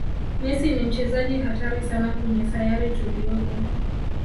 messi ni mchezaji hatari sana kwenye sayari tuliyopo